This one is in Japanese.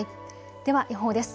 では予報です。